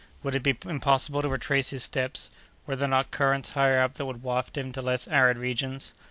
Would it be impossible to retrace his steps? Were there not currents higher up that would waft him to less arid regions?